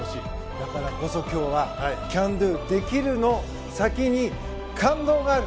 だからこそ今日はＣＡＮＤＯできるの先に感動がある。